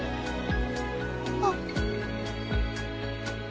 あっ！